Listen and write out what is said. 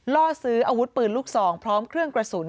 ล่อซื้ออาวุธปืนลูกซองพร้อมเครื่องกระสุน